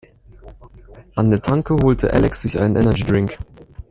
An der Tanke holte Alex sich einen Energy-Drink.